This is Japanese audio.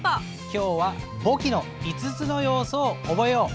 今日は簿記の５つの要素を覚えよう。